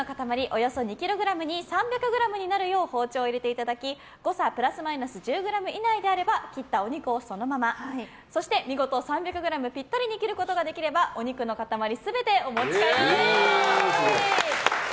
およそ２ｋｇに３００ｇになるよう包丁を入れていただき誤差プラスマイナス１０ｇ以内であれば切ったお肉をそのままそして、見事３００ｇピッタリに切ることができればお肉の塊全てお持ち帰りです。